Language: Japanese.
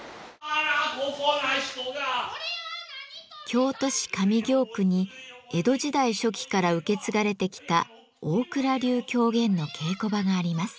京都市上京区に江戸時代初期から受け継がれてきた大蔵流狂言の稽古場があります。